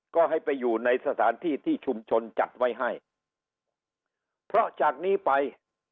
ก็ให้ไปอยู่ในสถานที่ที่ชุมชนจัดไว้ให้เพราะจากนี้ไป